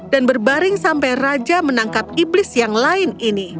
dan berbaring sampai raja menangkap iblis yang lain ini